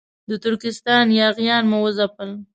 د ترکستان یاغیان مو وځپل.